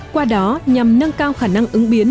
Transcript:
qua đó nhằm nâng cao khả năng ứng biến